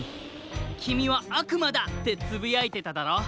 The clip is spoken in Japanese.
「きみはあくまだ！」ってつぶやいてただろ？